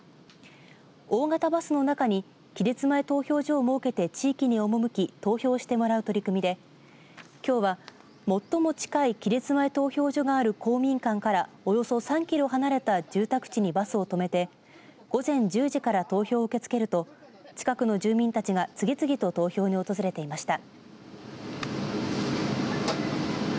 大型バスの中に期日前投票所を設けて地域に赴き、投票してもらう取り組みできょうは最も近い期日前投票所がある公民館から、およそ３キロ離れた住宅地にバスを止めて午前１０時から投票を受け付けると近くの住民たちが次々と投票に訪れていました。